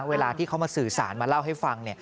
เวลาที่เขามาสื่อสารมาเล่าให้ฟัง